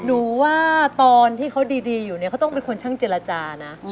หนูว่าตอนที่เขาดีอยู่เนี่ยเขาต้องเป็นคนช่างเจรจานะ